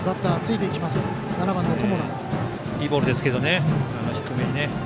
いいボールですけど低めに。